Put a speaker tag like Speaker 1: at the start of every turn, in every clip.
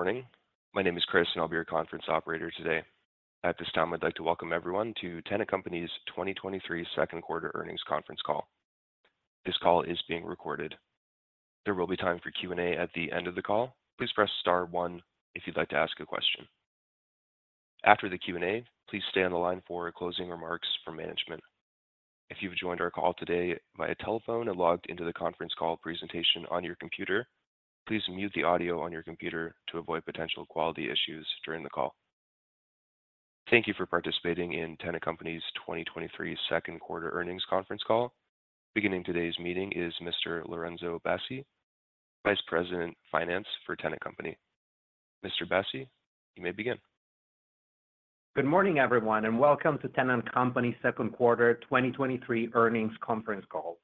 Speaker 1: Good morning. My name is Chris, and I'll be your conference operator today. At this time, I'd like to welcome everyone to Tennant Company's 2023 Q2 Earnings Conference Call. This call is being recorded. There will be time for Q&A at the end of the call. Please press star one if you'd like to ask a question. After the Q&A, please stay on the line for closing remarks from management. If you've joined our call today via telephone or logged into the conference call presentation on your computer, please mute the audio on your computer to avoid potential quality issues during the call. Thank you for participating in Tennant Company's 2023 Q2 Earnings Conference Call. Beginning today's meeting is Mr. Lorenzo Bassi, Vice President, Finance for Tennant Company. Mr. Bassi, you may begin.
Speaker 2: Good morning, everyone, and welcome to Tennant Company's Q2 2023 Earnings Conference Call.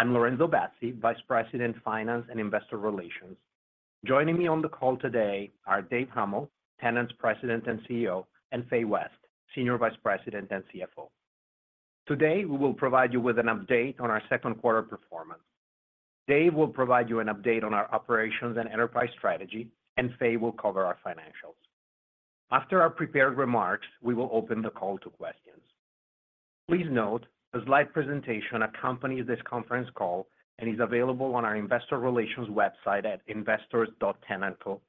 Speaker 2: I'm Lorenzo Bassi, Vice President, Finance and Investor Relations. Joining me on the call today are Dave Huml, Tennant's President and CEO, and Fay West, Senior Vice President and CFO. Today, we will provide you with an update on our Q2 performance. Dave will provide you an update on our operations and enterprise strategy, and Fay will cover our financials. After our prepared remarks, we will open the call to questions. Please note, a slide presentation accompanies this conference call and is available on our investor relations website at investors.tennantco.com.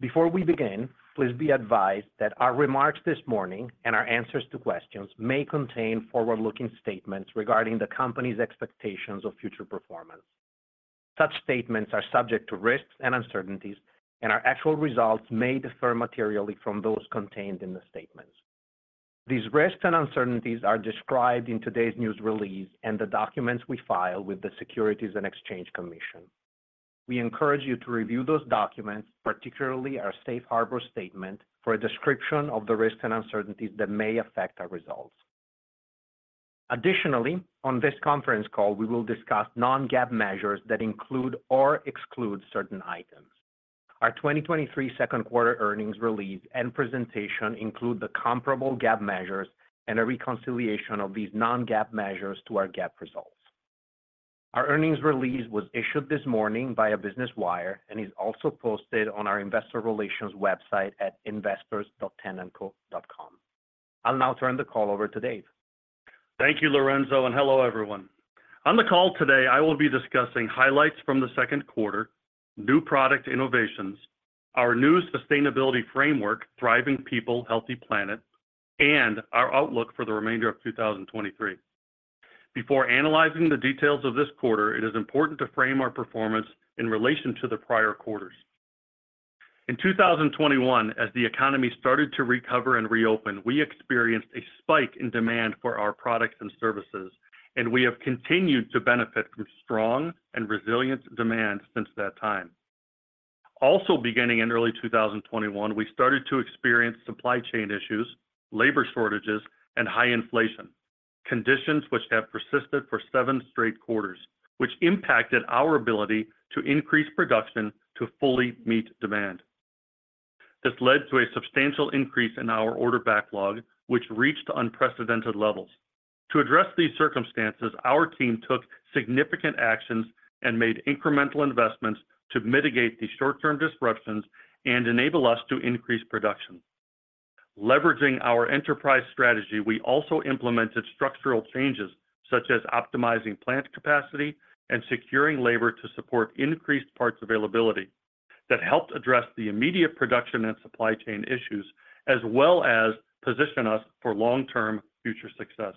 Speaker 2: Before we begin, please be advised that our remarks this morning and our answers to questions may contain forward-looking statements regarding the company's expectations of future performance. Such statements are subject to risks and uncertainties, and our actual results may differ materially from those contained in the statements. These risks and uncertainties are described in today's news release and the documents we file with the Securities and Exchange Commission. We encourage you to review those documents, particularly our safe harbor statement, for a description of the risks and uncertainties that may affect our results. Additionally, on this conference call, we will discuss non-GAAP measures that include or exclude certain items. Our 2023 Q2 earnings release and presentation include the comparable GAAP measures and a reconciliation of these non-GAAP measures to our GAAP results. Our earnings release was issued this morning via Business Wire and is also posted on our Investor Relations website at investors.tennantco.com. I'll now turn the call over to Dave.
Speaker 3: Thank you, Lorenzo, and hello, everyone. On the call today, I will be discussing highlights from the Q2, new product innovations, our new sustainability framework, Thriving People. Healthy Planet., and our outlook for the remainder of 2023. Before analyzing the details of this quarter, it is important to frame our performance in relation to the prior quarters. In 2021, as the economy started to recover and reopen, we experienced a spike in demand for our products and services, and we have continued to benefit from strong and resilient demand since that time. Also, beginning in early 2021, we started to experience supply chain issues, labor shortages, and high inflation, conditions which have persisted for seven straight quarters, which impacted our ability to increase production to fully meet demand. This led to a substantial increase in our order backlog, which reached unprecedented levels. To address these circumstances, our team took significant actions and made incremental investments to mitigate these short-term disruptions and enable us to increase production. Leveraging our enterprise strategy, we also implemented structural changes, such as optimizing plant capacity and securing labor to support increased parts availability, that helped address the immediate production and supply chain issues, as well as position us for long-term future success.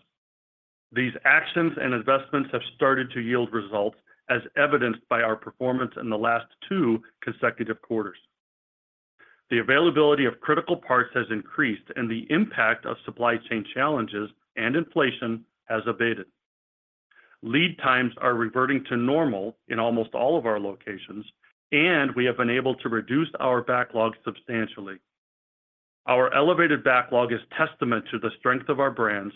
Speaker 3: These actions and investments have started to yield results, as evidenced by our performance in the last two consecutive quarters. The availability of critical parts has increased, and the impact of supply chain challenges and inflation has abated. Lead times are reverting to normal in almost all of our locations, and we have been able to reduce our backlog substantially. Our elevated backlog is testament to the strength of our brands,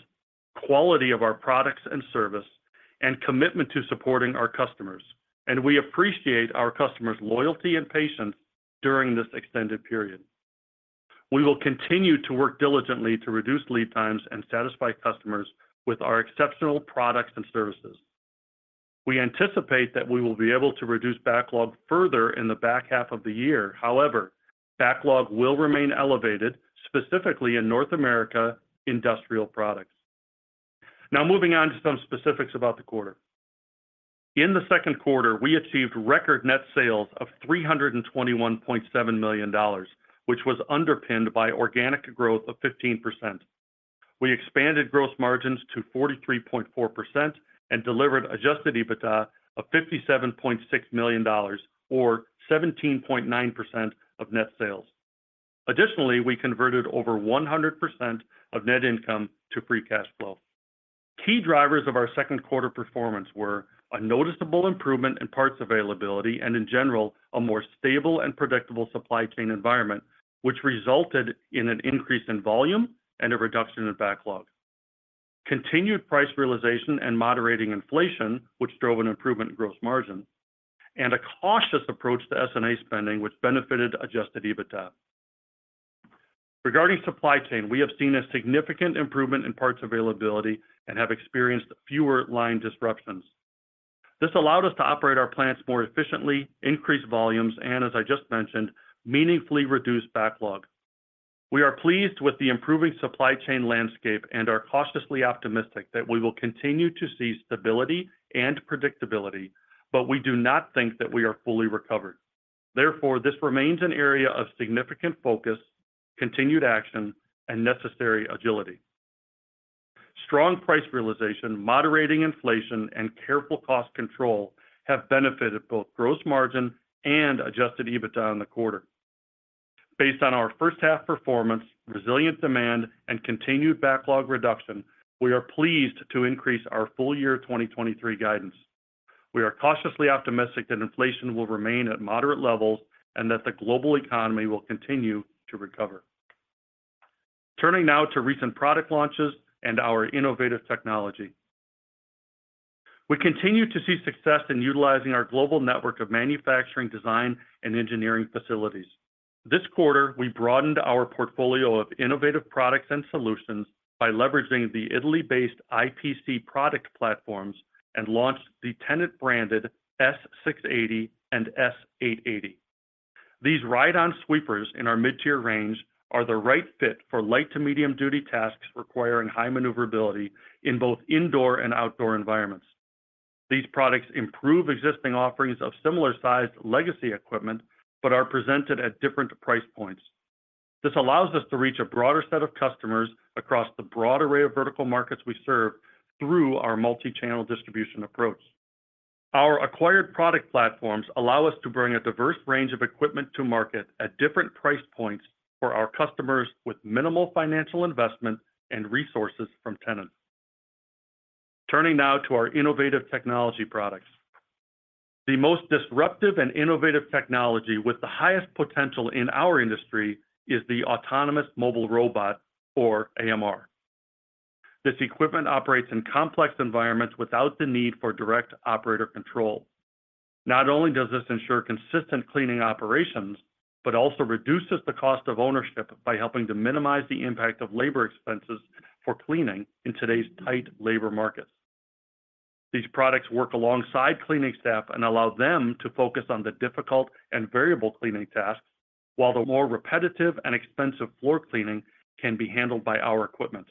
Speaker 3: quality of our products and service, and commitment to supporting our customers, and we appreciate our customers' loyalty and patience during this extended period. We will continue to work diligently to reduce lead times and satisfy customers with our exceptional products and services. We anticipate that we will be able to reduce backlog further in the back half of the year. However, backlog will remain elevated, specifically in North America industrial products. Now, moving on to some specifics about the quarter. In the Q2, we achieved record net sales of $321.7 million, which was underpinned by organic growth of 15%. We expanded gross margins to 43.4% and delivered adjusted EBITDA of $57.6 million or 17.9% of net sales. Additionally, we converted over 100% of net income to free cash flow. Key drivers of our Q2 performance were a noticeable improvement in parts availability and, in general, a more stable and predictable supply chain environment, which resulted in an increase in volume and a reduction in backlog. Continued price realization and moderating inflation, which drove an improvement in gross margin, and a cautious approach to S&A spending, which benefited adjusted EBITDA. Regarding supply chain, we have seen a significant improvement in parts availability and have experienced fewer line disruptions. This allowed us to operate our plants more efficiently, increase volumes, and as I just mentioned, meaningfully reduce backlog. We are pleased with the improving supply chain landscape and are cautiously optimistic that we will continue to see stability and predictability, but we do not think that we are fully recovered. Therefore, this remains an area of significant focus, continued action, and necessary agility. Strong price realization, moderating inflation, and careful cost control have benefited both gross margin and adjusted EBITDA in the quarter. Based on our H1 performance, resilient demand, and continued backlog reduction, we are pleased to increase our full-year 2023 guidance. We are cautiously optimistic that inflation will remain at moderate levels and that the global economy will continue to recover. Turning now to recent product launches and our innovative technology. We continue to see success in utilizing our global network of manufacturing, design, and engineering facilities. This quarter, we broadened our portfolio of innovative products and solutions by leveraging the Italy-based IPC product platforms and launched the Tennant-branded S680 and S880 machines. These ride-on sweepers in our mid-tier range are the right fit for light to medium-duty tasks requiring high maneuverability in both indoor and outdoor environments. These products improve existing offerings of similar-sized legacy equipment but are presented at different price points. This allows us to reach a broader set of customers across the broad array of vertical markets we serve through our multi-channel distribution approach. Our acquired product platforms allow us to bring a diverse range of equipment to market at different price points for our customers, with minimal financial investment and resources from Tennant. Turning now to our innovative technology products. The most disruptive and innovative technology with the highest potential in our industry is the autonomous mobile robot, or AMR. This equipment operates in complex environments without the need for direct operator control. Not only does this ensure consistent cleaning operations, but also reduces the cost of ownership by helping to minimize the impact of labor expenses for cleaning in today's tight labor markets. These products work alongside cleaning staff and allow them to focus on the difficult and variable cleaning tasks, while the more repetitive and expensive floor cleaning can be handled by our equipment.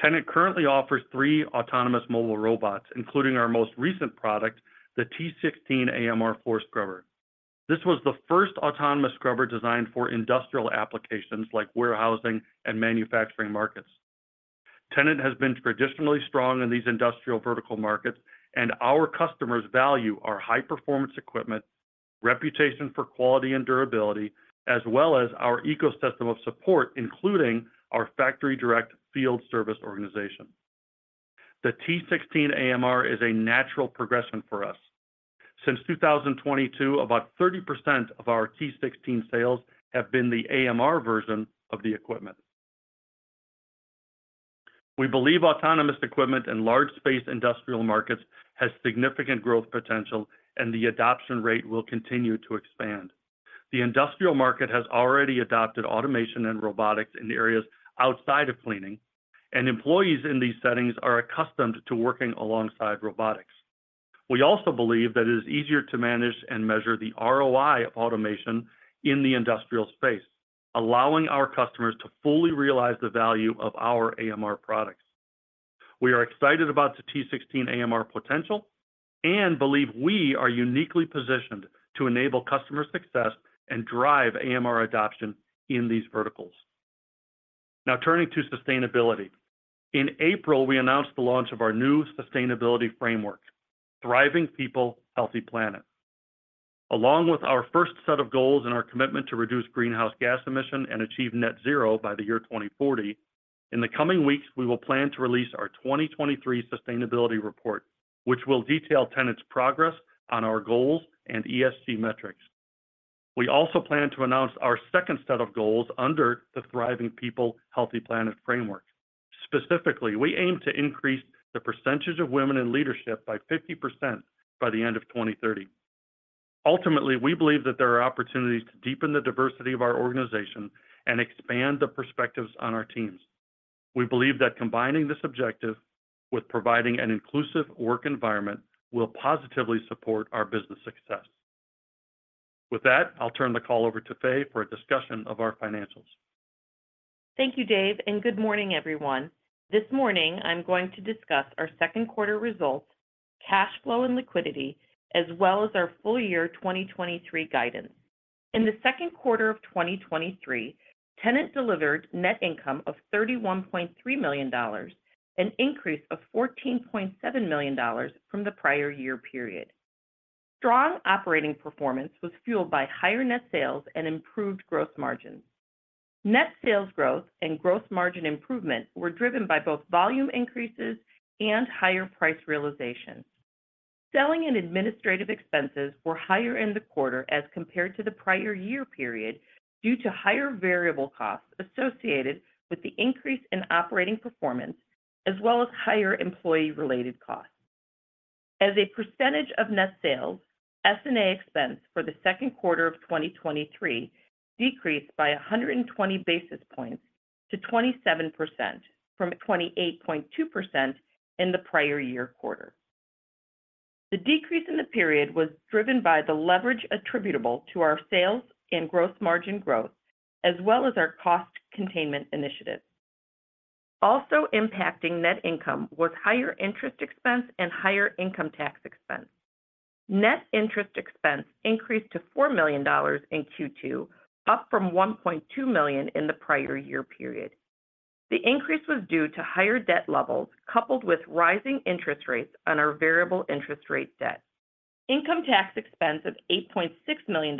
Speaker 3: Tennant currently offers three autonomous mobile robots, including our most recent product, the T16 AMR autonomous floor scrubber. This was the first autonomous scrubber designed for industrial applications like warehousing and manufacturing markets. Tennant has been traditionally strong in these industrial vertical markets, and our customers value our high-performance equipment, reputation for quality and durability, as well as our ecosystem of support, including our factory direct field service organization. The T16 AMR is a natural progression for us. Since 2022, about 30% of our T16 sales have been the AMR- equipped version of the equipment. We believe autonomous equipment in large space industrial markets has significant growth potential, and the adoption rate will continue to expand. The industrial market has already adopted automation and robotics in areas outside of cleaning, and employees in these settings are accustomed to working alongside robotics. We also believe that it is easier to manage and measure the ROI of automation in the industrial space, allowing our customers to fully realize the value of our AMR products. We are excited about the T16 AMR potential and believe we are uniquely positioned to enable customer success and drive AMR adoption in these verticals. Now, turning to sustainability. In April, we announced the launch of our new sustainability framework, Thriving People. Healthy Planet. Along with our first set of goals and our commitment to reduce greenhouse gas emission and achieve net zero by the year 2040, in the coming weeks, we will plan to release our 2023 sustainability report, which will detail Tennant's progress on our goals and ESG metrics. We also plan to announce our second set of goals under the Thriving People. Healthy Planet. framework. Specifically, we aim to increase the percentage of women in leadership by 50% by the end of 2030. Ultimately, we believe that there are opportunities to deepen the diversity of our organization and expand the perspectives on our teams. We believe that combining this objective with providing an inclusive work environment will positively support our business success. With that, I'll turn the call over to Fay for a discussion of our financials.
Speaker 4: Thank you, Dave, and good morning, everyone. This morning, I'm going to discuss our Q2 results, cash flow and liquidity, as well as our full-year 2023 guidance. In the Q2 2023, Tennant delivered net income of $31.3 million, an increase of $14.7 million from the prior year period. Strong operating performance was fueled by higher net sales and improved growth margins. Net sales growth and growth margin improvement were driven by both volume increases and higher price realizations. Selling and administrative expenses were higher in the quarter as compared to the prior year period, due to higher variable costs associated with the increase in operating performance, as well as higher employee-related costs. As a percentage of net sales, S&A expense for the Q2 2023 decreased by 120 basis points to 27% from 28.2% in the prior year quarter. The decrease in the period was driven by the leverage attributable to our sales and gross margin growth, as well as our cost containment initiatives. Also impacting net income was higher interest expense and higher income tax expense. Net interest expense increased to $4 million in Q2, up from $1.2 million in the prior year period. The increase was due to higher debt levels, coupled with rising interest rates on our variable interest rate debt. Income tax expense of $8.6 million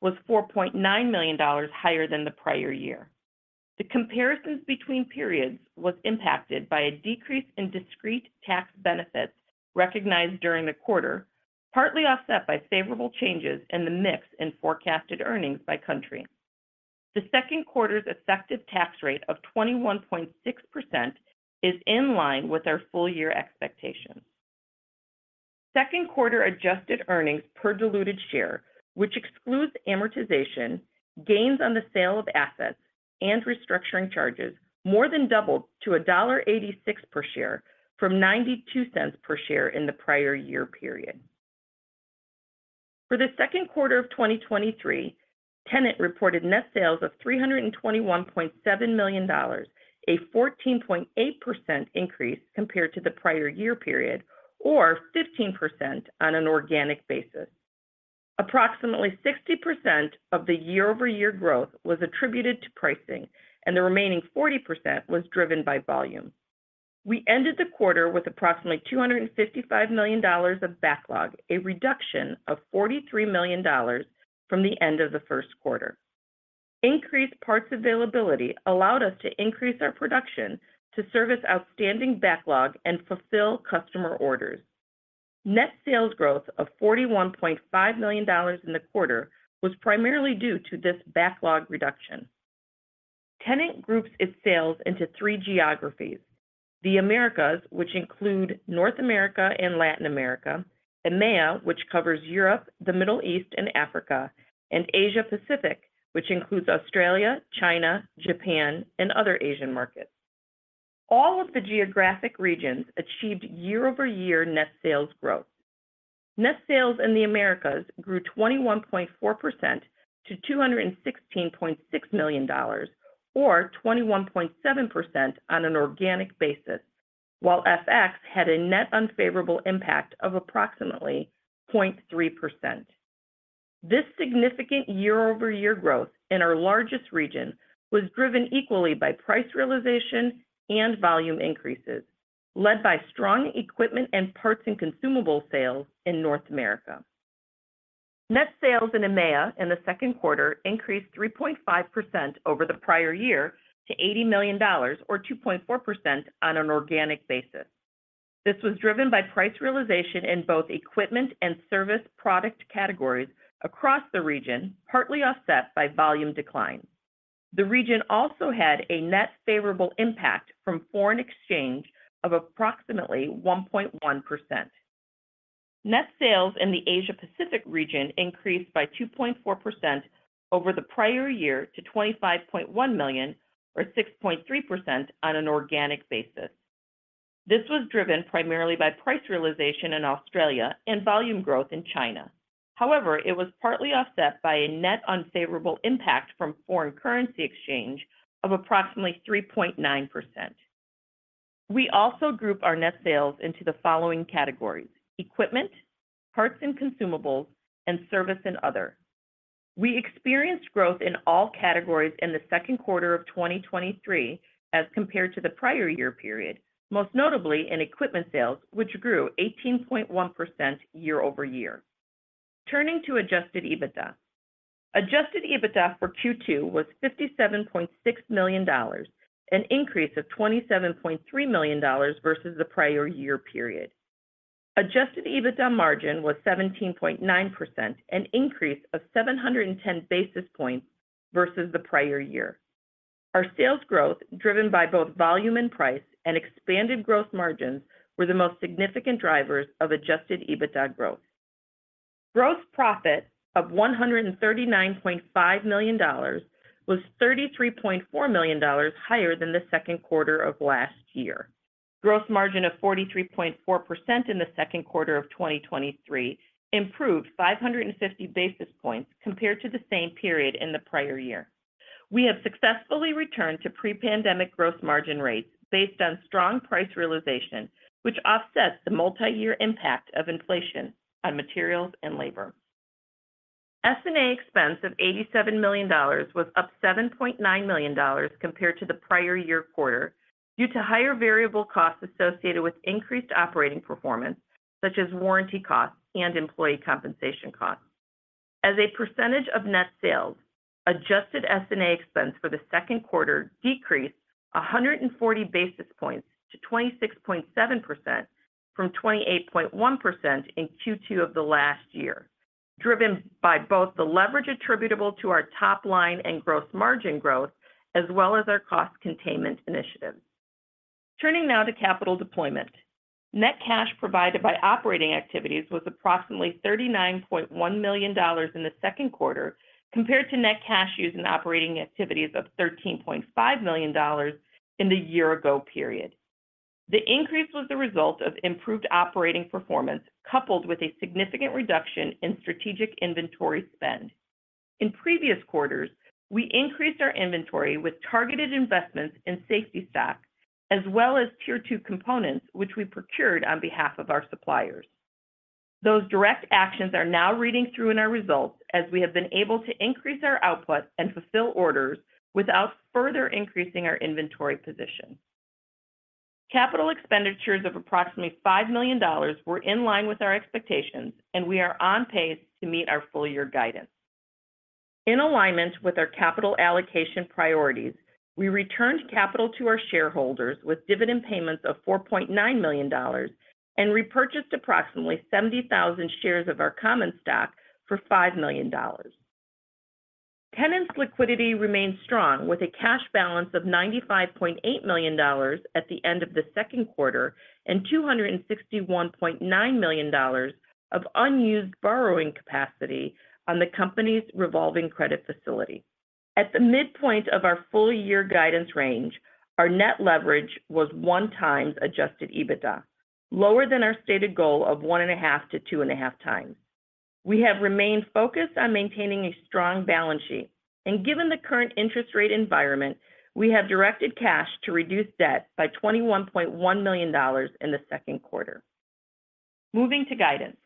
Speaker 4: was $4.9 million higher than the prior year. The comparisons between periods was impacted by a decrease in discrete tax benefits recognized during the quarter, partly offset by favorable changes in the mix in forecasted earnings by country. The Q2's effective tax rate of 21.6% is in line with our full year expectations. Q2 adjusted earnings per diluted share, which excludes amortization, gains on the sale of assets, and restructuring charges, more than doubled to $1.86 per share from $0.92 per share in the prior year period. For the Q2 2023, Tennant reported net sales of $321.7 million, a 14.8% increase compared to the prior year period, or 15% on an organic basis. Approximately 60% of the year-over-year growth was attributed to pricing, and the remaining 40% was driven by volume. We ended the quarter with approximately $255 million of backlog, a reduction of $43 million from the end of the first quarter. Increased parts availability allowed us to increase our production to service outstanding backlog and fulfill customer orders. Net sales growth of $41.5 million in the quarter was primarily due to this backlog reduction. Tennant groups its sales into three geographies: the Americas, which include North America and Latin America, EMEA, which covers Europe, the Middle East, and Africa, and Asia Pacific, which includes Australia, China, Japan, and other Asian markets. All of the geographic regions achieved year-over-year net sales growth. Net sales in the Americas grew 21.4% to $216.6 million, or 21.7% on an organic basis, while FX had a net unfavorable impact of approximately 0.3%. This significant year-over-year growth in our largest region was driven equally by price realization and volume increases, led by strong equipment and parts and consumable sales in North America. Net sales in EMEA in the Q2 increased 3.5% over the prior year to $80 million, or 2.4% on an organic basis. This was driven by price realization in both equipment and service product categories across the region, partly offset by volume decline. The region also had a net favorable impact from foreign exchange of approximately 1.1%. Net sales in the Asia Pacific region increased by 2.4% over the prior year to $25.1 million, or 6.3% on an organic basis. This was driven primarily by price realization in Australia and volume growth in China. It was partly offset by a net unfavorable impact from foreign currency exchange of approximately 3.9%. We also group our net sales into the following categories: equipment, parts and consumables, and service and other. We experienced growth in all categories in the Q2 2023 as compared to the prior year period, most notably in equipment sales, which grew 18.1% year-over-year. Turning to adjusted EBITDA. Adjusted EBITDA for Q2 was $57.6 million, an increase of $27.3 million versus the prior year period. Adjusted EBITDA margin was 17.9%, an increase of 710 basis points versus the prior year. Our sales growth, driven by both volume and price and expanded gross margins, were the most significant drivers of adjusted EBITDA growth. Gross profit of $139.5 million was $33.4 million higher than the Q2 of last year. Gross margin of 43.4% in the Q2 2023 improved 550 basis points compared to the same period in the prior year. We have successfully returned to pre-pandemic gross margin rates based on strong price realization, which offsets the multi-year impact of inflation on materials and labor. S&A expense of $87 million was up $7.9 million compared to the prior year quarter due to higher variable costs associated with increased operating performance, such as warranty costs and employee compensation costs. As a percentage of net sales, adjusted S&A expense for the Q2 decreased 140 basis points to 26.7% from 28.1% in Q2 of the last year, driven by both the leverage attributable to our top line and gross margin growth, as well as our cost containment initiatives. Turning now to capital deployment. Net cash provided by operating activities was approximately $39.1 million in the Q2, compared to net cash used in operating activities of $13.5 million in the year-ago period. The increase was the result of improved operating performance, coupled with a significant reduction in strategic inventory spend. In previous quarters, we increased our inventory with targeted investments in safety stock, as well as Tier 2 components, which we procured on behalf of our suppliers. Those direct actions are now reading through in our results, as we have been able to increase our output and fulfill orders without further increasing our inventory position. Capital expenditures of approximately $5 million were in line with our expectations. We are on pace to meet our full year guidance. In alignment with our capital allocation priorities, we returned capital to our shareholders with dividend payments of $4.9 million and repurchased approximately 70,000 shares of our common stock for $5 million. Tennant's liquidity remains strong, with a cash balance of $95.8 million at the end of the Q2, and $261.9 million of unused borrowing capacity on the company's revolving credit facility. At the midpoint of our full year guidance range, our net leverage was 1.0x adjusted EBITDA, lower than our stated goal of 1.5x to 2.5x. We have remained focused on maintaining a strong balance sheet. Given the current interest rate environment, we have directed cash to reduce debt by $21.1 million in the Q2. Moving to guidance.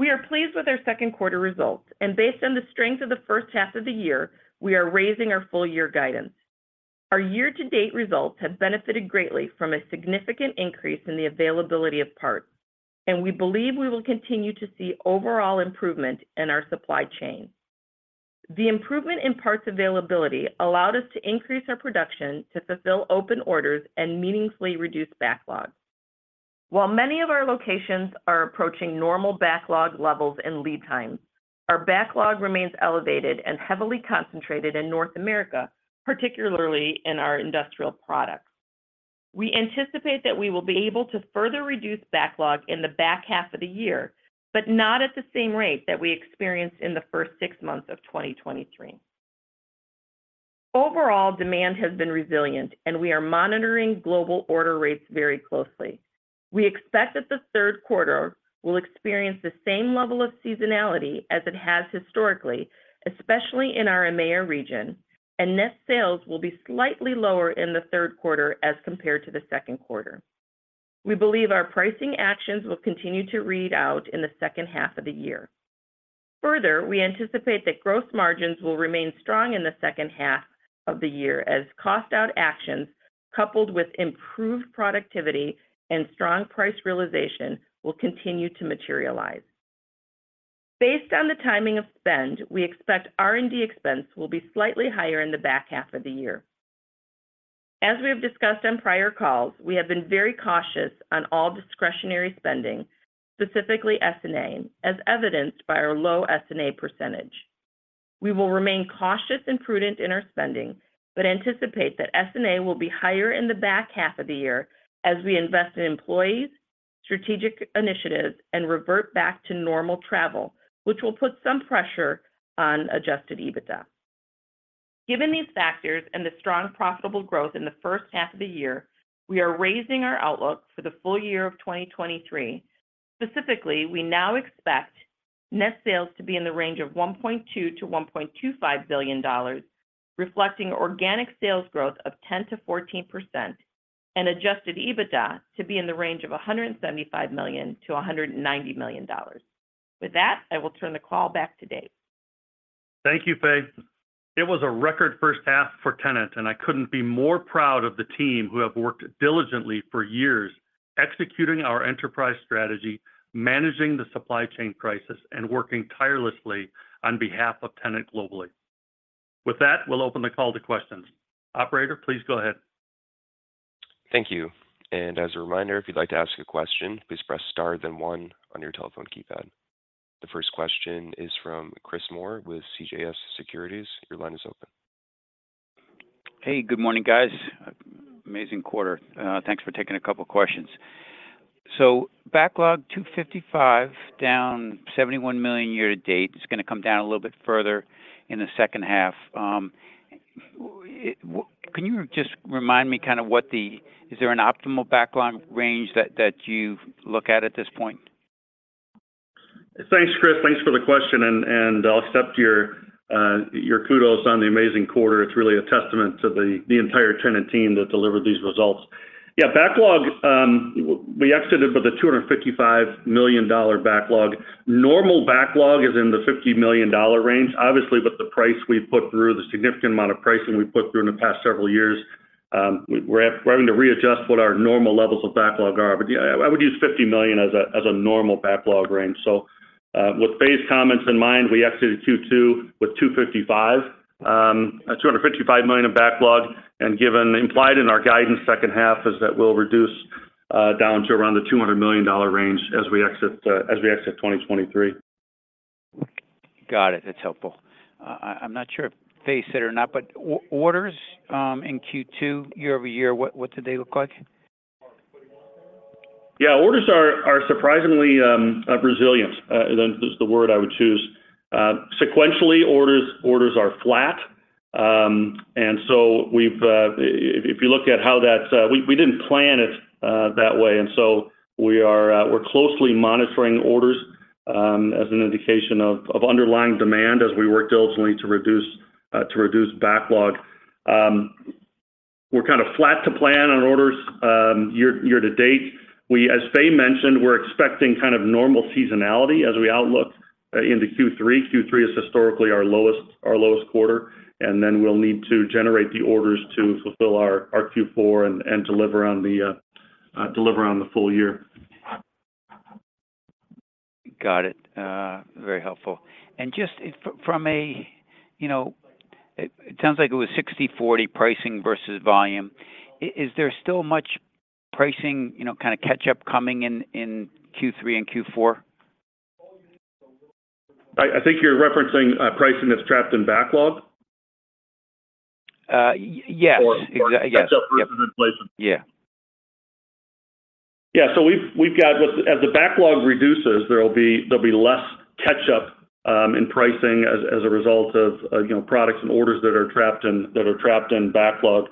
Speaker 4: We are pleased with our Q2 results. Based on the strength of the H1 of the year, we are raising our full-year guidance. Our year-to-date results have benefited greatly from a significant increase in the availability of parts. We believe we will continue to see overall improvement in our supply chain. The improvement in parts availability allowed us to increase our production to fulfill open orders and meaningfully reduce backlogs. While many of our locations are approaching normal backlog levels and lead times, our backlog remains elevated and heavily concentrated in North America, particularly in our industrial products. We anticipate that we will be able to further reduce backlog in the back half of the year, but not at the same rate that we experienced in the first six months of 2023. Overall, demand has been resilient, and we are monitoring global order rates very closely. We expect that the third quarter will experience the same level of seasonality as it has historically, especially in our EMEA region, and net sales will be slightly lower in the Q3 as compared to the Q2. We believe our pricing actions will continue to read out in the H2 of the year. Further, we anticipate that gross margins will remain strong in the second half of the year as cost-out actions, coupled with improved productivity and strong price realization, will continue to materialize. Based on the timing of spend, we expect R&D expense will be slightly higher in the back half of the year. As we have discussed on prior calls, we have been very cautious on all discretionary spending, specifically S&A, as evidenced by our low S&A percentage. We will remain cautious and prudent in our spending, but anticipate that S&A will be higher in the back half of the year as we invest in employees, strategic initiatives, and revert back to normal travel, which will put some pressure on adjusted EBITDA. Given these factors and the strong profitable growth in the H1 of the year, we are raising our outlook for the full-year of 2023. Specifically, we now expect net sales to be in the range of $1.2 billion to $1.25 billion, reflecting organic sales growth of 10% to 14% and adjusted EBITDA to be in the range of $175 million to $190 million. With that, I will turn the call back to Dave.
Speaker 3: Thank you, Fay. It was a record H1 for Tennant. I couldn't be more proud of the team who have worked diligently for years, executing our enterprise strategy, managing the supply chain crisis, and working tirelessly on behalf of Tennant globally. With that, we'll open the call to questions. Operator, please go ahead.
Speaker 1: Thank you. As a reminder, if you'd like to ask a question, please press Star, then one on your telephone keypad. The first question is from Chris Moore with CJS Securities. Your line is open.
Speaker 5: Hey, good morning, guys. Amazing quarter. Thanks for taking a couple of questions. Backlog $255 million, down $71 million year-to-date, it's gonna come down a little bit further in the H2. Can you just remind me kind of what is there an optimal backlog range that, that you look at at this point?
Speaker 3: Thanks, Chris. Thanks for the question, and I'll accept your kudos on the amazing quarter. It's really a testament to the entire Tennant team that delivered these results. Yeah, backlog, we exited with a $255 million backlog. Normal backlog is in the $50 million range, obviously, but the price we put through, the significant amount of pricing we put through in the past several years, we're having to readjust what our normal levels of backlog are. Yeah, I would use $50 million as a normal backlog range. With Fay's comments in mind, we exited Q2 with $255 million of backlog, and given implied in our guidance second half is that we'll reduce...down to around the $200 million range as we exit, as we exit 2023.
Speaker 5: Got it. That's helpful. I, I'm not sure if Fay said it or not, but orders in Q2, year-over-year, what, what did they look like?
Speaker 3: Yeah, orders are, are surprisingly resilient, is the word I would choose. Sequentially, orders are flat. We didn't plan it that way, and so we are, we're closely monitoring orders, as an indication of underlying demand as we work diligently to reduce, to reduce backlog. We're kind of flat to plan on orders, year to date. As Fay mentioned, we're expecting kind of normal seasonality as we outlook into Q3. Q3 is historically our lowest quarter, and then we'll need to generate the orders to fulfill our Q4 and deliver on the full-year.
Speaker 5: Got it. very helpful. Just if from a, you know, it sounds like it was 60/40 pricing versus volume. Is there still much pricing, you know, kind of catch up coming in, in Q3 and Q4?
Speaker 3: I, I think you're referencing, pricing that's trapped in backlog?
Speaker 5: yes.
Speaker 3: Or-
Speaker 5: Ex- yes.
Speaker 3: Catch up prices in place.
Speaker 5: Yeah.
Speaker 3: Yeah, we've, we've got as the backlog reduces, there'll be, there'll be less catch up, in pricing as, as a result of, of, you know, products and orders that are trapped in, that are trapped in backlog.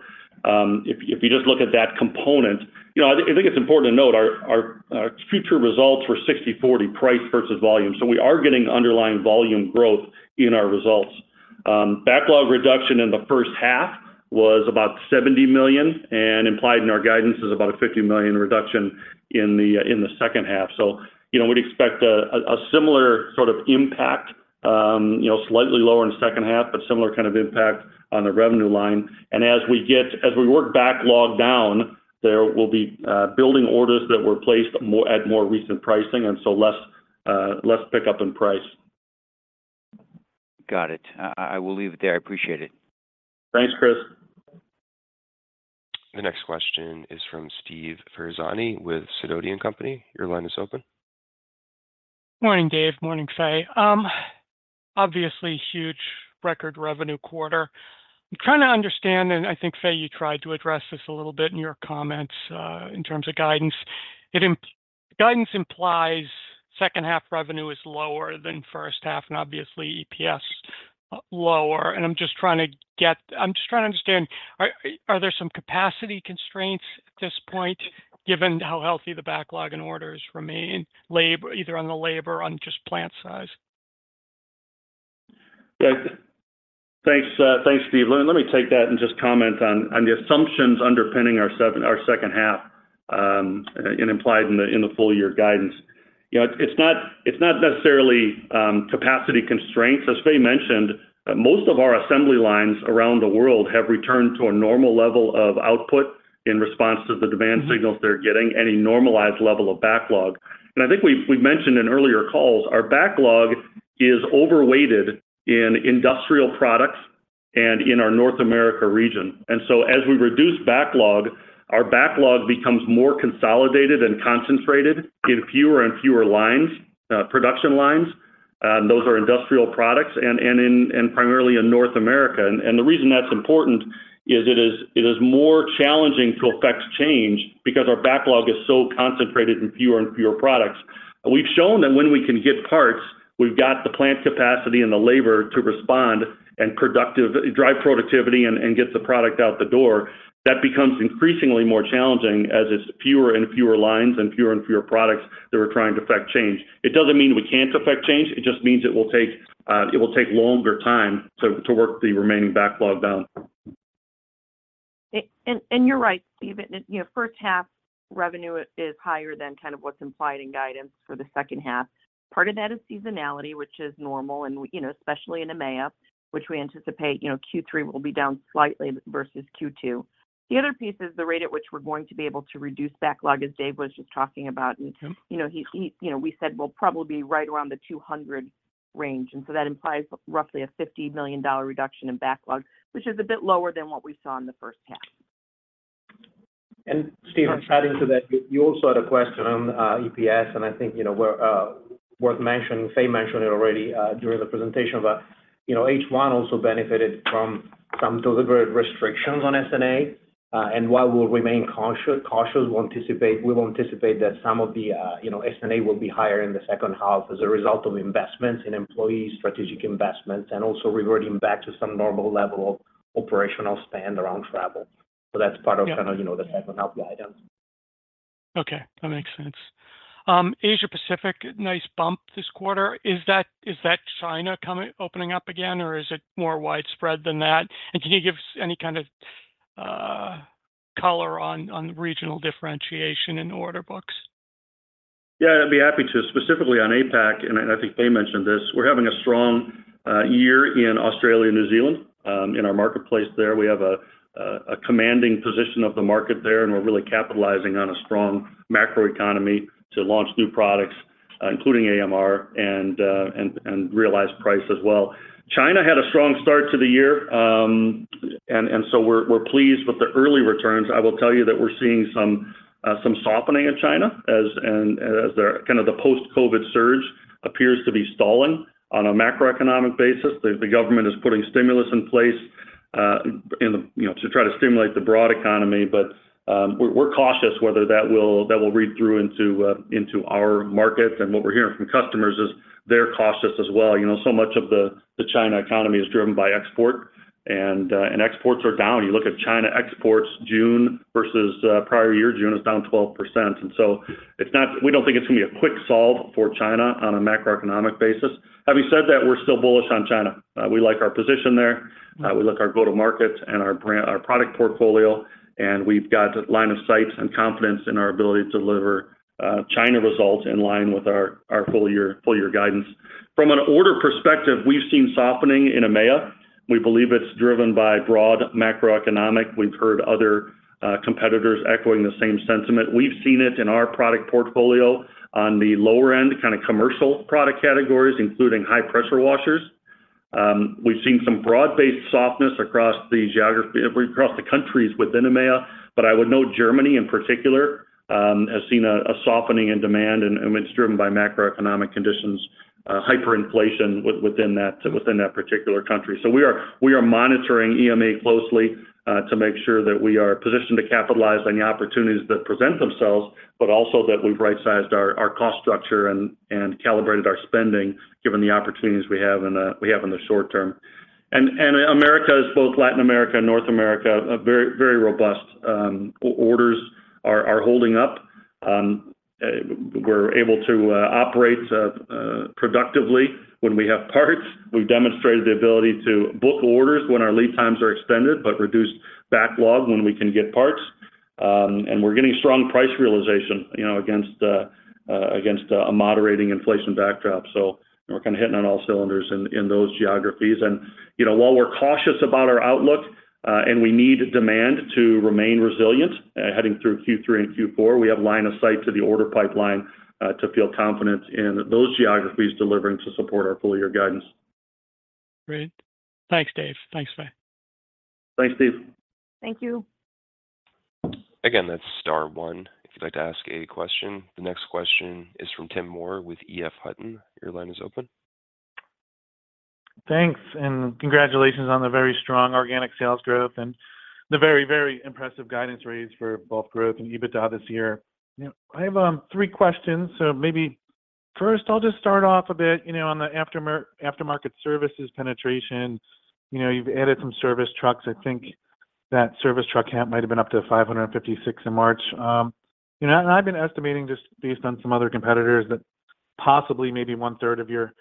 Speaker 3: If you, if you just look at that component. You know, I think, I think it's important to note our, our, our Q2 results were 60/40 price versus volume, so we are getting underlying volume growth in our results. Backlog reduction in the H1 was about $70 million, and implied in our guidance is about a $50 million reduction in the second half. You know, we'd expect a, a similar sort of impact, you know, slightly lower in the H2, but similar kind of impact on the revenue line. As we as we work backlog down, there will be building orders that were placed at more recent pricing, and so less, less pickup in price.
Speaker 5: Got it. I, I will leave it there. I appreciate it.
Speaker 3: Thanks, Chris.
Speaker 1: The next question is from Steve Ferazani with Sidoti & Company. Your line is open.
Speaker 6: Morning, Dave, morning, Fay. Obviously, huge record revenue quarter. I'm trying to understand, and I think, Fay, you tried to address this a little bit in your comments, in terms of guidance. It guidance implies second half revenue is lower than first half, and obviously, EPS lower. I'm just trying to understand, are, are there some capacity constraints at this point, given how healthy the backlog and orders remain, either on the labor or on just plant size?
Speaker 3: Yeah. Thanks, thanks, Steve. Let me, let me take that and just comment on, on the assumptions underpinning our second half and implied in the full year guidance. You know, it's not, it's not necessarily capacity constraints. As Fay mentioned, most of our assembly lines around the world have returned to a normal level of output in response to the demand signals they're getting and a normalized level of backlog. I think we've, we've mentioned in earlier calls, our backlog is overweighted in industrial products and in our North America region. So as we reduce backlog, our backlog becomes more consolidated and concentrated in fewer and fewer lines, production lines, and those are industrial products and primarily in North America. The reason that's important is it is, it is more challenging to affect change because our backlog is so concentrated in fewer and fewer products. We've shown that when we can get parts, we've got the plant capacity and the labor to respond and drive productivity and get the product out the door. That becomes increasingly more challenging as it's fewer and fewer lines and fewer and fewer products that we're trying to affect change. It doesn't mean we can't affect change, it just means it will take, it will take longer time to, to work the remaining backlog down.
Speaker 4: You're right, Steve. You know, H1 revenue is higher than kind of what's implied in guidance for the H2. Part of that is seasonality, which is normal, and we, you know, especially in EMEA, which we anticipate, you know, Q3 will be down slightly versus Q2. The other piece is the rate at which we're going to be able to reduce backlog, as Dave was just talking about.
Speaker 6: Mm-hmm.
Speaker 4: You know, we said we'll probably be right around the $200 million range. That implies roughly a $50 million reduction in backlog, which is a bit lower than what we saw in the H1.
Speaker 2: Steve, adding to that, you also had a question on EPS, and I think, you know, we're worth mentioning, Fay mentioned it already during the presentation, but, you know, H1 also benefited from some deliberate restrictions on S&A. While we'll remain cautious, cautious, we'll anticipate that some of the, you know, S&A will be higher in the second half as a result of investments in employee strategic investments, and also reverting back to some normal level of operational spend around travel. That's part of.
Speaker 6: Yeah...
Speaker 2: kind of, you know, the second half guidance.
Speaker 6: Okay, that makes sense. Asia Pacific, nice bump this quarter. Is that, is that China coming, opening up again, or is it more widespread than that? Can you give us any kind of color on, on regional differentiation in order books?
Speaker 3: Yeah, I'd be happy to. Specifically on APAC, and I, I think Fay mentioned this, we're having a strong year in Australia and New Zealand. In our marketplace there, we have a commanding position of the market there, and we're really capitalizing on a strong macroeconomy to launch new products, including AMR and realized price as well. China had a strong start to the year. We're, we're pleased with the early returns. I will tell you that we're seeing some softening in China as the kind of the post-COVID surge appears to be stalling on a macroeconomic basis. The government is putting stimulus in place, in the, you know, to try to stimulate the broad economy, but we're cautious whether that will read through into our markets. What we're hearing from customers is they're cautious as well. You know, so much of the China economy is driven by export, and exports are down. You look at China exports, June versus prior year, June is down 12%. So it's not, we don't think it's gonna be a quick solve for China on a macroeconomic basis. Having said that, we're still bullish on China. We like our position there, we like our go-to-markets and our product portfolio, and we've got line of sight and confidence in our ability to deliver China results in line with our, our full-year, guidance. From an order perspective, we've seen softening in EMEA. We believe it's driven by broad macroeconomic. We've heard other competitors echoing the same sentiment. We've seen it in our product portfolio on the lower end, kind of commercial product categories, including high pressure washers. We've seen some broad-based softness across the countries within EMEA, but I would note Germany, in particular, has seen a, a softening in demand, and, and it's driven by macroeconomic conditions, hyperinflation within that, within that particular country. We are, we are monitoring EMEA closely to make sure that we are positioned to capitalize on the opportunities that present themselves, but also that we've right-sized our, our cost structure and, and calibrated our spending, given the opportunities we have in the short term. And America is both Latin America and North America, a very, very robust, orders are, are holding up. We're able to operate productively when we have parts. We've demonstrated the ability to book orders when our lead times are extended, but reduce backlog when we can get parts. And we're getting strong price realization, you know, against a moderating inflation backdrop. We're kinda hitting on all cylinders in, in those geographies. You know, while we're cautious about our outlook, and we need demand to remain resilient, heading through Q3 and Q4, we have line of sight to the order pipeline, to feel confident in those geographies delivering to support our full year guidance.
Speaker 6: Great. Thanks, Dave. Thanks, bye.
Speaker 3: Thanks, Steve.
Speaker 4: Thank you.
Speaker 1: Again, that's star one, if you'd like to ask a question. The next question is from Tim Moore with EF Hutton. Your line is open.
Speaker 7: Thanks, and congratulations on the very strong organic sales growth and the very, very impressive guidance rates for both growth and EBITDA this year. Yeah, I have three questions. Maybe first, I'll just start off a bit, you know, on the aftermarket services penetration. You know, you've added some service trucks. I think that service truck count might have been up to 556 in March. You know, and I've been estimating, just based on some other competitors, that possibly maybe one-third of your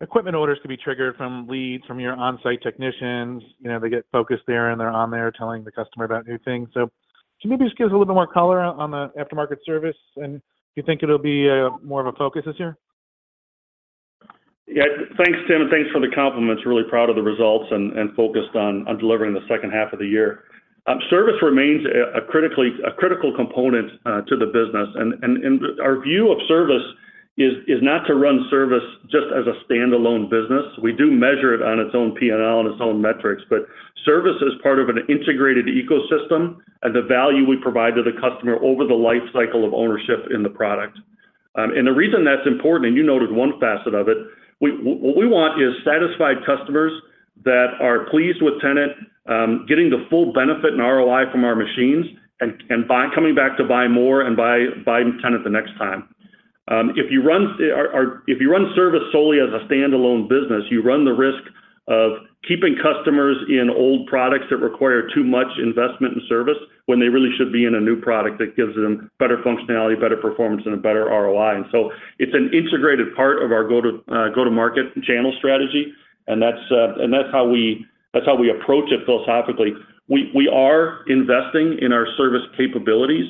Speaker 7: equipment orders could be triggered from leads from your on-site technicians. You know, they get focused there, and they're on there telling the customer about new things. Can you maybe just give us a little bit more color on the aftermarket service, and you think it'll be more of a focus this year?
Speaker 3: Yeah. Thanks, Tim. Thanks for the compliments. Really proud of the results and focused on delivering the H2 of the year. Service remains a critically, a critical component to the business. Our view of service is not to run service just as a standalone business. We do measure it on its own P&L and its own metrics. Service is part of an integrated ecosystem and the value we provide to the customer over the lifecycle of ownership in the product. The reason that's important, and you noted one facet of it, we-- what we want is satisfied customers that are pleased with Tennant getting the full benefit and ROI from our machines, and buy-- coming back to buy more and buy Tennant the next time. If you run, or, or if you run service solely as a standalone business, you run the risk of keeping customers in old products that require too much investment in service, when they really should be in a new product that gives them better functionality, better performance, and a better ROI. So it's an integrated part of our go-to, go-to market channel strategy, and that's, and that's how we, that's how we approach it philosophically. We, we are investing in our service capabilities.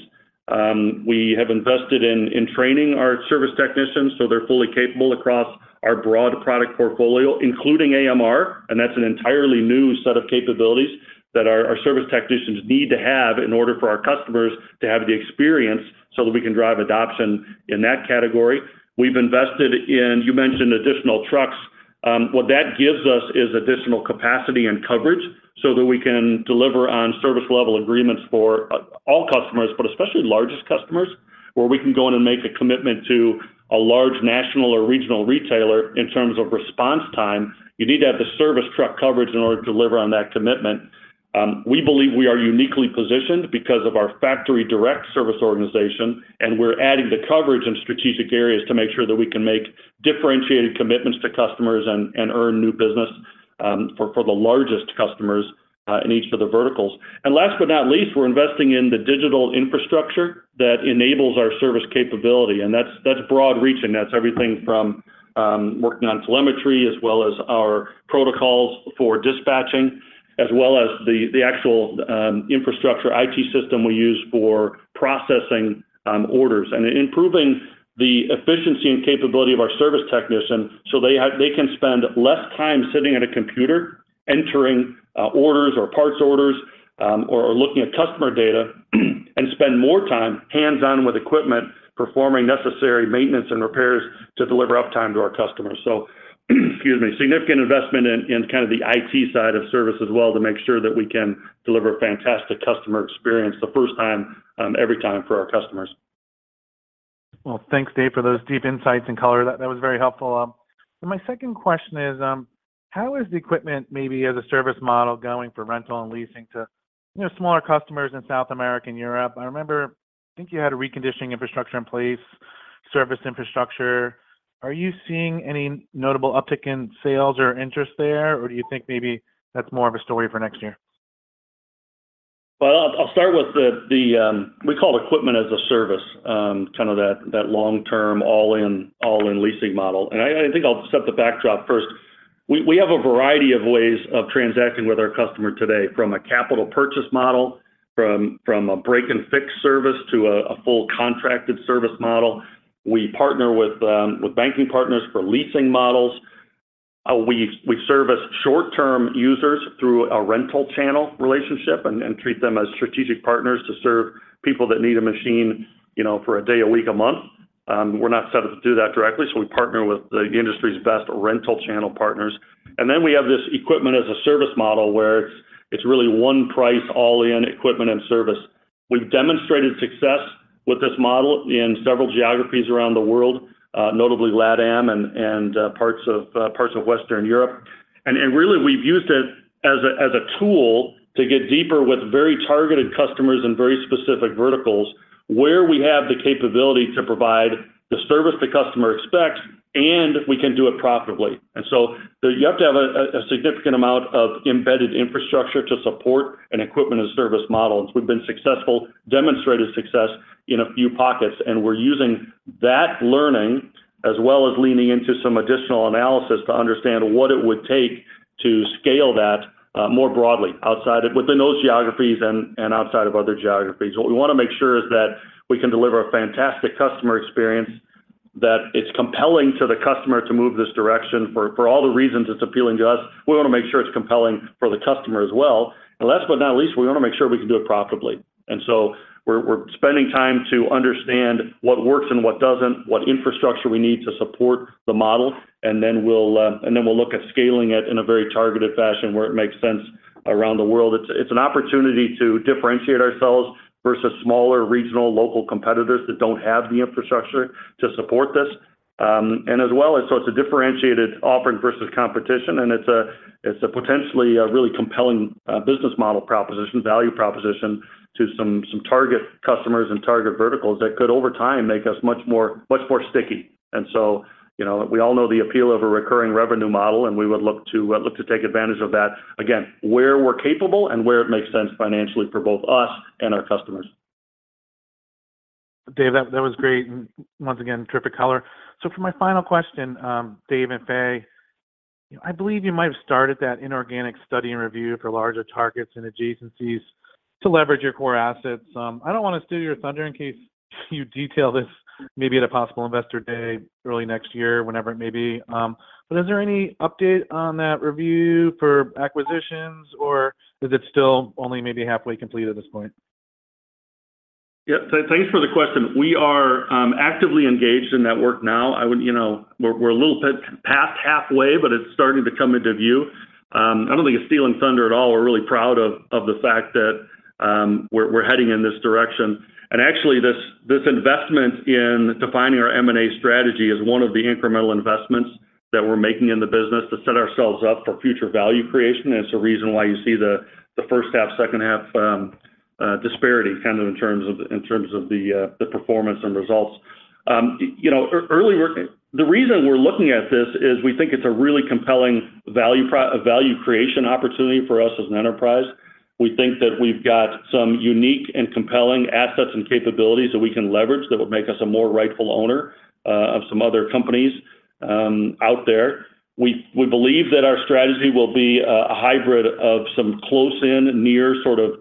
Speaker 3: We have invested in, in training our service technicians, so they're fully capable across our broad product portfolio, including AMR, and that's an entirely new set of capabilities that our, our service technicians need to have in order for our customers to have the experience, so that we can drive adoption in that category. We've invested in, you mentioned, additional trucks. What that gives us is additional capacity and coverage, so that we can deliver on service-level agreements for all customers, but especially largest customers, where we can go in and make a commitment to a large national or regional retailer in terms of response time. You need to have the service truck coverage in order to deliver on that commitment. We believe we are uniquely positioned because of our factory direct service organization, and we're adding the coverage in strategic areas to make sure that we can make differentiated commitments to customers and earn new business for the largest customers in each of the verticals. Last but not least, we're investing in the digital infrastructure that enables our service capability, and that's, that's broad reaching. That's everything from working on telemetry, as well as our protocols for dispatching, as well as the, the actual infrastructure, IT system we use for processing orders. Improving the efficiency and capability of our service technicians, so they can spend less time sitting at a computer, entering orders or parts orders, or looking at customer data and spend more time hands-on with equipment, performing necessary maintenance and repairs to deliver uptime to our customers. Excuse me, significant investment in kind of the IT side of service as well, to make sure that we can deliver a fantastic customer experience the first time, every time for our customers.
Speaker 7: Well, thanks, Dave, for those deep insights and color. That, that was very helpful. My second question is, how is the equipment, maybe as a service model, going for rental and leasing to, you know, smaller customers in South America and Europe? I remember, I think you had a reconditioning infrastructure in place, service infrastructure. Are you seeing any notable uptick in sales or interest there, or do you think maybe that's more of a story for next year?
Speaker 3: Well, I'll, start with the, we call it equipment as a service, kind of that, that long-term, all-in, all-in leasing model. I, I think I'll set the backdrop first. We, we have a variety of ways of transacting with our customer today, from a capital purchase model, from, from a break-and-fix service to a, a full contracted service model. We partner with banking partners for leasing models. We, we service short-term users through a rental channel relationship and, and treat them as strategic partners to serve people that need a machine, you know, for a day, a week, a month. We're not set up to do that directly, so we partner with the industry's best rental channel partners. Then, we have this equipment as a service model, where it's, it's really one price, all-in equipment and service. We've demonstrated success with this model in several geographies around the world, notably LATAM and, parts of Western Europe. Really, we've used it as a, as a tool to get deeper with very targeted customers and very specific verticals, where we have the capability to provide the service the customer expects, and we can do it profitably. So you have to have a, a significant amount of embedded infrastructure to support an equipment as a service model. Demonstrated success in a few pockets, and we're using that learning, as well as leaning into some additional analysis, to understand what it would take to scale that, more broadly within those geographies and, and outside of other geographies. What we wanna make sure is that we can deliver a fantastic customer experience, that it's compelling to the customer to move this direction. For all the reasons it's appealing to us, we wanna make sure it's compelling for the customer as well. Last but not least, we wanna make sure we can do it profitably. So we're spending time to understand what works and what doesn't, what infrastructure we need to support the model, and then we'll look at scaling it in a very targeted fashion, where it makes sense around the world. It's an opportunity to differentiate ourselves versus smaller, regional, local competitors that don't have the infrastructure to support this. As well as, so it's a differentiated offering versus competition, and it's a, it's a potentially, a really compelling, business model proposition, value proposition to some, some target customers and target verticals, that could, over time, make us much more, much more sticky. You know, we all know the appeal of a recurring revenue model, and we would look to, look to take advantage of that, again, where we're capable and where it makes sense financially for both us and our customers.
Speaker 7: Dave, that was great, once again, terrific color. For my final question, Dave and Fay, I believe you might have started that inorganic study and review for larger targets and adjacencies to leverage your core assets. I don't wanna steal your thunder in case you detail this maybe at a possible Investor Day, early next year, whenever it may be. Is any update on that review for acquisitions, or is it still only maybe halfway complete at this point?
Speaker 3: Yeah. Thanks for the question. We are actively engaged in that work now. You know, we're a little bit past halfway, but it's starting to come into view. I don't think it's stealing thunder at all. We're really proud of, of the fact that we're heading in this direction. Actually, this, this investment in defining our M&A strategy is one of the incremental investments that we're making in the business to set ourselves up for future value creation. It's the reason why you see the, the first half, second half disparity, kind of, in terms of, in terms of the performance and results. You know, the reason we're looking at this is we think it's a really compelling value a value creation opportunity for us as an enterprise. We think that we've got some unique and compelling assets and capabilities that we can leverage, that would make us a more rightful owner of some other companies out there. We, we believe that our strategy will be a hybrid of some close-in, near, sort of,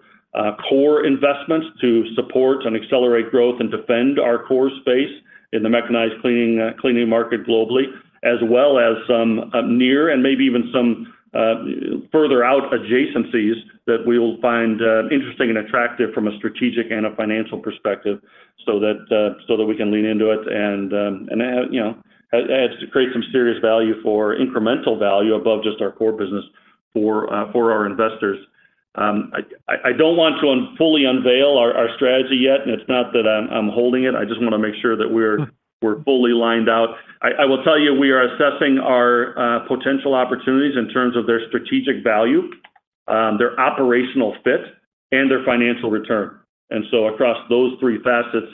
Speaker 3: core investments to support and accelerate growth and defend our core space in the mechanized cleaning cleaning market globally, as well as some near and maybe even some further out adjacencies that we will find interesting and attractive from a strategic and a financial perspective, so that so that we can lean into it and, and, you know, adds to create some serious value for, incremental value above just our core business for our investors.I don't want to fully unveil our, our strategy yet, and it's not that I'm, I'm holding it. I just wanna make sure that.
Speaker 7: Hmm
Speaker 3: we're fully lined out. I, I will tell you, we are assessing our potential opportunities in terms of their strategic value, their operational fit, and their financial return. So across those three facets,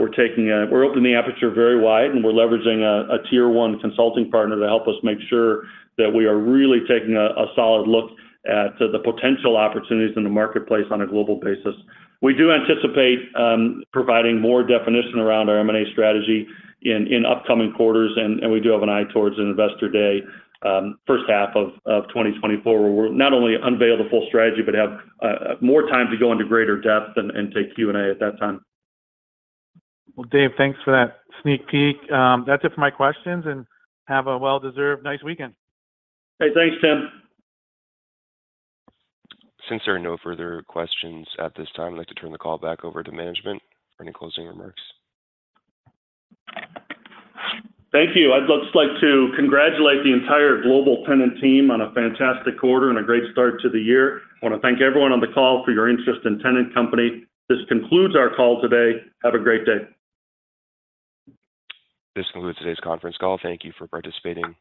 Speaker 3: we're taking we're opening the aperture very wide, and we're leveraging a Tier 1 consulting partner to help us make sure that we are really taking a solid look at the potential opportunities in the marketplace on a global basis. We do anticipate providing more definition around our M&A strategy in upcoming quarters, and we do have an eye towards an Investor Day, H1 of 2024, where we'll not only unveil the full strategy, but have more time to go into greater depth and take Q&A at that time.
Speaker 7: Well, Dave, thanks for that sneak peek. That's it for my questions, and have a well-deserved nice weekend.
Speaker 3: Hey, thanks, Tim.
Speaker 1: Since there are no further questions at this time, I'd like to turn the call back over to management for any closing remarks.
Speaker 3: Thank you. Just like to congratulate the entire global Tennant team on a fantastic quarter and a great start to the year. I wanna thank everyone on the call for your interest in Tennant Company. This concludes our call today. Have a great day.
Speaker 1: This concludes today's conference call. Thank you for participating.